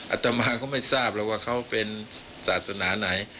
อาตมาก็ไม่ทราบหรอกว่าเขาเป็นศาสนาไหน